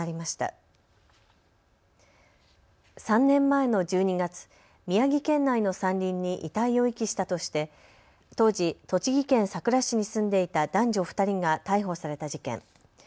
３年前の１２月、宮城県内の山林に遺体を遺棄したとして当時、栃木県さくら市に住んでいた男女２人が逮捕された事件。